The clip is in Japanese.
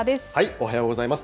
おはようございます。